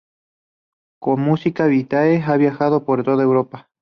Con Musica Vitae, ha viajado por toda Europa.